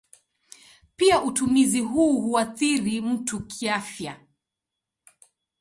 Pia utumizi huu huathiri mtu kiafya.